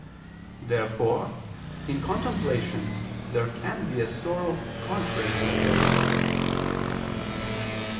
Therefore in contemplation there can be a sorrow contrary to the pleasure.